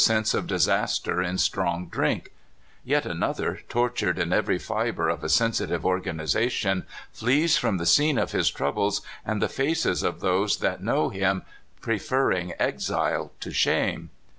sense of disaster in strong drink; yet another, tortured in every fiber of a sensitive organization, flees from the scene of his troubles and the faces of those that know him, preferring exile to shame.